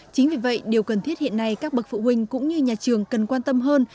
chính vì vậy điều cần thiết hiện nay các bậc phụ huynh cũng như nhà trường cần quan tâm hơn